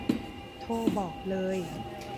โทรบอกเลย